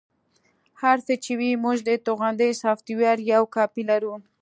هر څه چې وي موږ د توغندي سافټویر یوه کاپي لرو